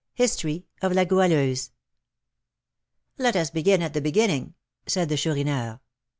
HISTORY OF LA GOUALEUSE. "Let us begin at the beginning," said the Chourineur.